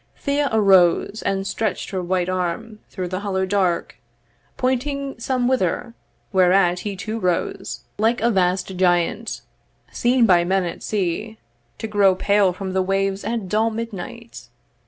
Thea arose, And stretched her white arm through the hollow dark, Pointing some whither: whereat he too rose Like a vast giant, seen by men at sea To grow pale from the waves at dull midnight.